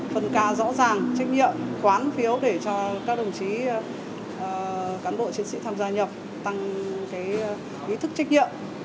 phân ca rõ ràng trách nhiệm quán phiếu để cho các đồng chí cán bộ chiến sĩ tham gia nhập tăng ý thức trách nhiệm